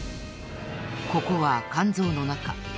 ここは肝臓のなか。